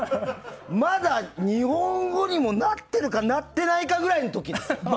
まだ日本語にもなっているかなっていないぐらいの時。